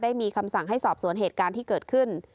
มีคำสั่งให้สอบสวนเหตุการณ์ที่เกิดขึ้น